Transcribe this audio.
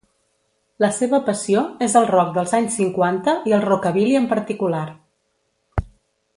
La seva passió és el rock dels anys cinquanta i el rockabilly en particular.